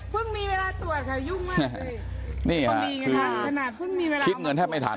เพิ่งมีเวลาตรวจค่ะยุ่งมากเลยนี่ค่ะเพิ่งมีเวลาคิดเงินแทบไม่ทัน